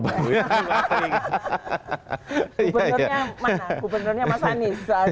gubernurnya mana gubernurnya mas anies